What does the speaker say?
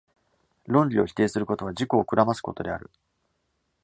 論理を否定することは、自己を暗ますことである。